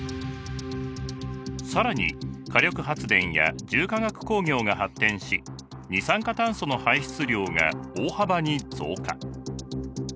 更に火力発電や重化学工業が発展し二酸化炭素の排出量が大幅に増加。